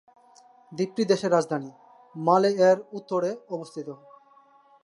দ্বীপটি দেশের রাজধানী, মালে এর উত্তরে অবস্থিত।